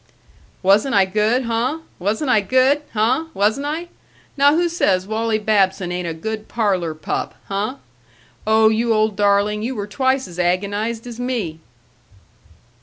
"Wasn't I good, huh? Wasn't I good, huh? Wasn't I? Now who says Wally Babson ain't a good parlor pup, huh? Oh, you old darling, you were twice as agonized as me!"